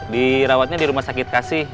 dirawatnya di rumah sakit kasih